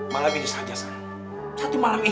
malam ini saja sal satu malam ini